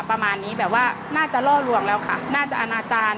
ประมาณนี้แบบว่าน่าจะล่อลวงแล้วค่ะน่าจะอนาจารย์